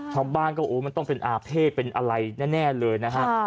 ชาวบ้านก็โอ้มันต้องเป็นอาเภษเป็นอะไรแน่เลยนะฮะ